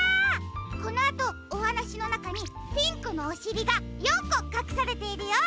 このあとおはなしのなかにピンクのおしりが４こかくされているよ。